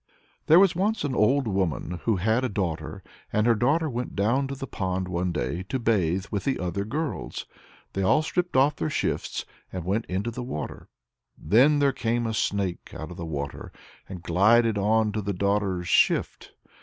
There was once an old woman who had a daughter; and her daughter went down to the pond one day to bathe with the other girls. They all stripped off their shifts, and went into the water. Then there came a snake out of the water, and glided on to the daughter's shift.